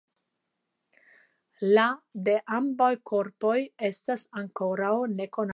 La de ambaŭ korpoj estas ankoraŭ nekonataj.